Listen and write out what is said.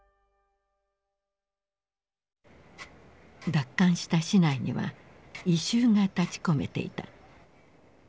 奪還した市内には異臭が立ちこめていた。